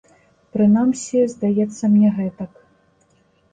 Прынамсі, здаецца мне гэтак.